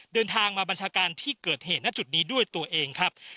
เดินทางมาบัญชาการที่เกิดเหตุณจุดนี้ด้วยตัวเองครับ